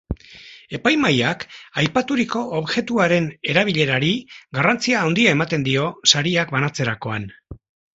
Epaimahaiak aipaturiko objektuaren erabilerari garrantzia handia ematen dio sariak banatzerakoan.